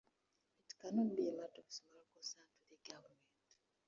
It cannot be a matter of small concern to the Government.